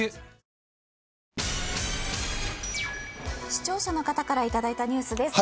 視聴者の方からいただいたニュースです。